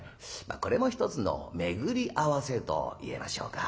これも一つの巡り合わせと言えましょうか。